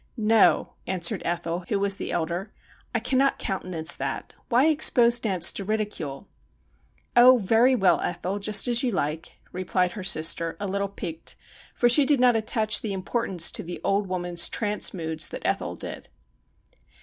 'No,' answered Ethel, who was the elder. 'I cannot countenance that. Why expose Nance to ridicule ?'' Oh, very well, Ethel ; just as you like,' replied her sister, a little piqued, for she did not attach the importance to the old woman's ' trance moods ' that Ethel did.